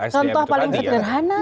contoh paling sederhana